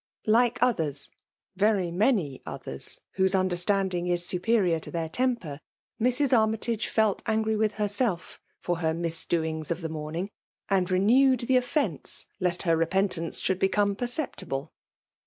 like others, very many others, whose understand ing is superior to their temper, Mrs. Army tagc felt angry with herself for her misdoings of the morning, and renewed the offence lest her repentance should become perceptible.